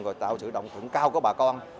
rồi tạo sự đồng thuận cao của bà con